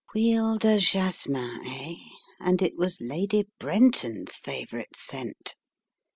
Huile de jasmin, eh? And it was Lady Brenton's favourite scent.